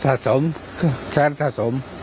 สะสมแค่แค่สะสม